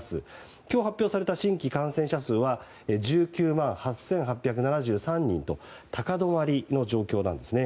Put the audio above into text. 今日発表された新規感染者数は１９万８８７３人と高止まりの状況なんですね。